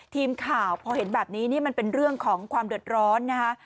ทีมข่าวพอเห็นแบบนี้นี่มันเป็นเรื่องของความเดือดร้อนนะคะ